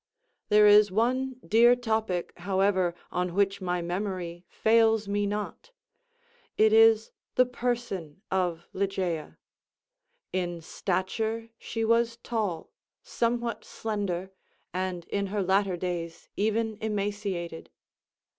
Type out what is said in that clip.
There is one dear topic, however, on which my memory fails me not. It is the person of Ligeia. In stature she was tall, somewhat slender, and, in her latter days, even emaciated.